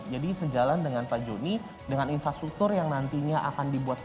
sejalan dengan pak joni dengan infrastruktur yang nantinya akan dibuat